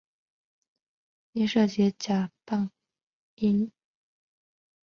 因涉及职棒假球案遭到兄弟象队开除。